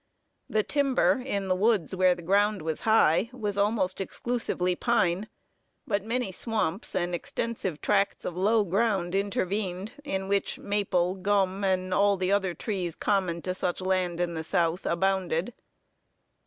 The timber, in the woods where the ground was high, was almost exclusively pine; but many swamps, and extensive tracts of low ground intervened, in which maple, gum, and all the other trees common to such land in the South, abounded.